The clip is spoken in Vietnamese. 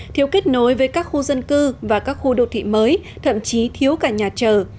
thiếu kết nối với các khu dân cư và các khu đô thị mới thậm chí thiếu cả nhà chờ